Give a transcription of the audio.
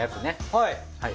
はい。